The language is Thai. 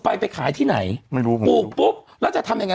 ไปไปขายที่ไหนไม่รู้ปลูกปุ๊บแล้วจะทำยังไง